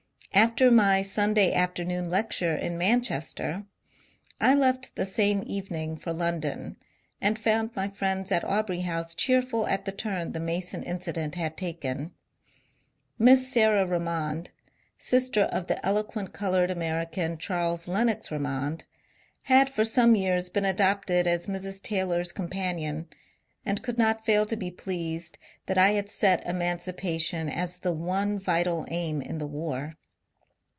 After my Sunday afternoon lecture in Manchester, I left the same evening for London, and found my friends at Aubrey House cheerful at the turn the Mason incident had taken. Miss Sarah Remond, sister of the eloquent coloured Ameri can, Charles Lenox Remond, had for some years been adopted as Mrs. Taylor's companion, and could not fail to be pleased that I had set emancipation as the one vital aim in the war.